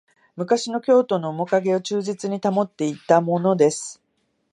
昔の京都のおもかげを忠実に保っていたものです